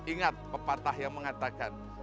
ingat pepatah yang mengatakan